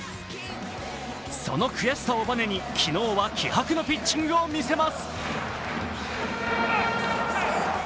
その悔しさをバネに昨日は気迫のピッチングを見せます。